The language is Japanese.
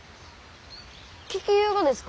聞きゆうがですか？